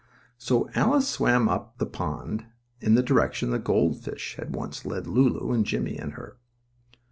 So Alice swam off up the pond, in the direction the gold fish had once led Lulu and Jimmie and her.